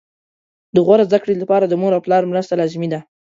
د غوره زده کړې لپاره د مور او پلار مرسته لازمي ده